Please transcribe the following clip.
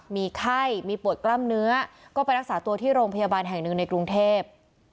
มีไข้มีปวดกล้ามเนื้อก็ไปรักษาตัวที่โรงพยาบาลแห่งหนึ่งในกรุงเทพ